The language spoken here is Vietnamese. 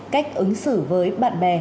cách ứng xử với bạn bè